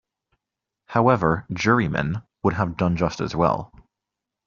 However, ‘jurymen’ would have done just as well.